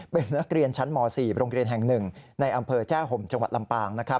เป็นนักเรียนชั้นม๔โรงเรียนแห่ง๑ในอำเภอแจ้ห่มจังหวัดลำปาง